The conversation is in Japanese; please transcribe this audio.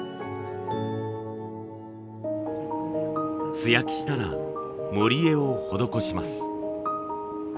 素焼きしたら盛絵を施します。